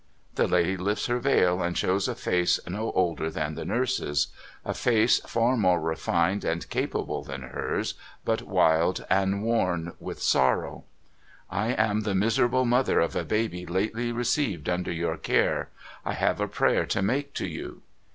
The lady lifts her veil, and shows a face no older than the nurse's. A face far more refined and capable than hers, but wild and worn with sorrow. ' I am the miserable mother of a baby lately received under your care. I have a prayer to make to you.'